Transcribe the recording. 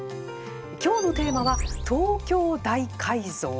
今日のテーマは、東京大改造。